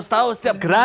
lalu berapa pak